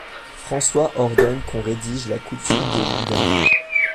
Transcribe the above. François ordonne qu'on rédige la coutume de Loudun.